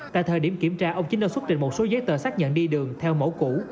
tại thời điểm kiểm tra ông chính đã xuất trình một số giấy tờ xác nhận đi đường theo mẫu cũ